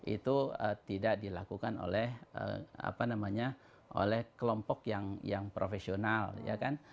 itu tidak dilakukan oleh apa namanya oleh kelompok yang profesional ya kan